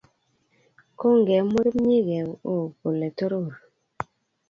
I kongemwa kipnyigei o kole toror